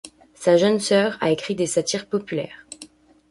Sa jeune soeur, a écrit des satires populaires.